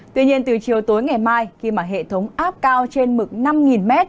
tuy nhiên từ chiều tối ngày mai khi mà hệ thống áp cao trên mực năm m